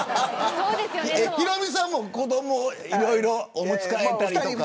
ヒロミさんも子ども、いろいろおむつ替えたりとか。